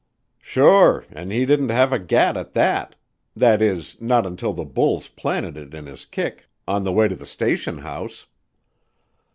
"Sure, and he didn't have a gat at that that is, not until the bulls planted it in his kick on the way to the station house."